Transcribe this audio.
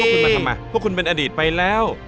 พวกกุนมาทำไหมเป็นอดีตไปแล้ว